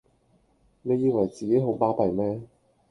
你以為自己好巴閉咩！